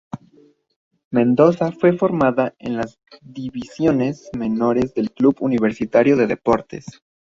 Mendoza fue formado en las divisiones menores del Club Universitario de Deportes.